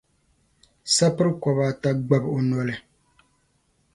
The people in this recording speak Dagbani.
sapir’ kɔba ata gbab’ o noli.